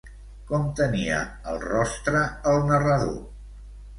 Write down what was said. Com tenia el rostre el narrador?